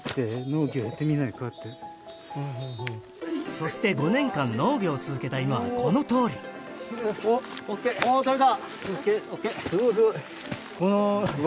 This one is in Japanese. そして５年間農業を続けた今はこのとおりおっおとれた！